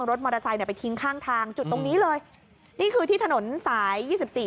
รถมอเตอร์ไซค์เนี่ยไปทิ้งข้างทางจุดตรงนี้เลยนี่คือที่ถนนสายยี่สิบสี่